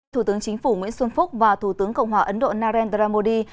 thủ tướng chính phủ nguyễn xuân phúc và thủ tướng cộng hòa ấn độ narendra modi